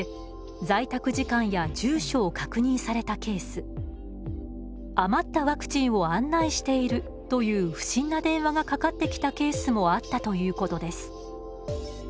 このほか自治体の職員をかたって「余ったワクチンを案内している」という不審な電話がかかってきたケースもあったということです。